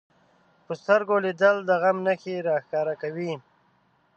په سترګو لیدل د غم نښې راښکاره کوي